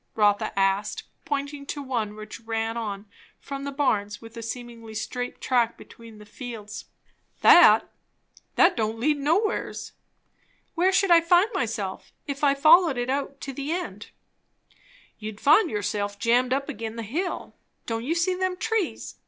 Rotha asked, pointing to one which ran on from the barns with a seemingly straight track between fields. "That? that don't lead no wheres." "Where should I find myself, if I followed it out to the end?" "You'd find yourself jammed up agin the hill. Don't you see them trees?